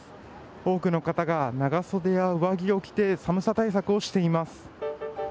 多くの方が長袖や上着を着て寒さ対策をしています。